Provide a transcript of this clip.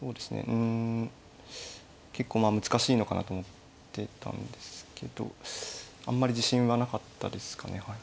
うん結構まあ難しいのかなと思ってたんですけどあんまり自信はなかったですかねはい。